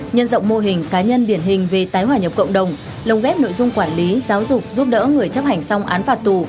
nhân rộng mô hình cá nhân điển hình về tái hòa nhập cộng đồng lồng ghép nội dung quản lý giáo dục giúp đỡ người chấp hành xong án phạt tù